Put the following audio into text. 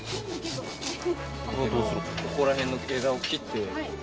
ここら辺の枝を切って。